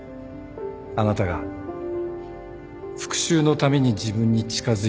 あなたが復讐のために自分に近づいたんだと。